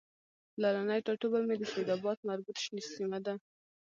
پلرنی ټاټوبی مې د سیدآباد مربوط شنیز سیمه ده